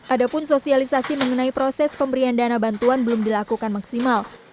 ada pun sosialisasi mengenai proses pemberian dana bantuan belum dilakukan maksimal